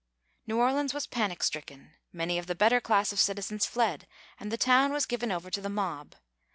New Orleans was panic stricken. Many of the better class of citizens fled, and the town was given over to the mob.